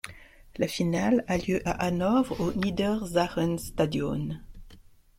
La finale a lieu à Hanovre au Niedersachsenstadion.